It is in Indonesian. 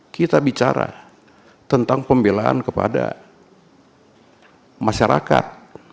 kita bicara tentang pembelaan kepada masyarakat